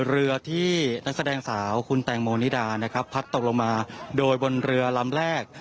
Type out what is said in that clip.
เรือที่นักแสดงสาวคุณแตงโมนิดานะครับพัดตกลงมาโดยบนเรือลำแรก